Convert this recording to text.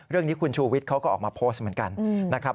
เรื่องนี้คุณชูวิทย์เขาก็ออกมาโพสต์เหมือนกันนะครับ